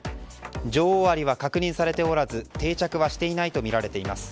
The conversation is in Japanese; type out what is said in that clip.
女王アリは確認されておらず定着はしていないとみられています。